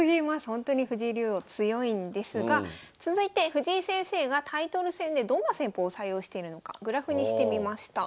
ほんとに藤井竜王強いんですが続いて藤井先生がタイトル戦でどんな戦法を採用しているのかグラフにしてみました。